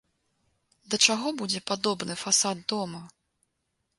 Да чаго будзе падобны фасад дома?